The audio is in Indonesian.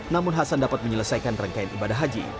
namun hasan dapat menyelesaikan rangkaian ibadah haji